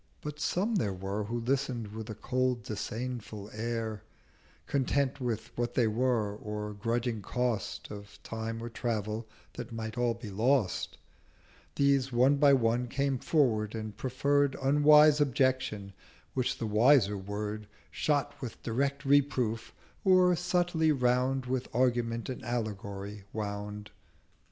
But some there were Who listen'd with a cold disdainful air, 120 Content with what they were, or grudging Cost Of Time or Travel that might all be lost; These, one by one, came forward, and preferr'd Unwise Objection: which the wiser Word Shot with direct Reproof, or subtly round With Argument and Allegory wound.